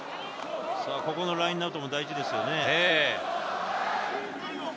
ここのラインアウトも大事ですよね。